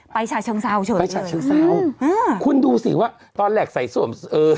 ไปชาชังเศร้าไปชาชังเศร้าคุณดูสิว่าตอนแรกใส่สวม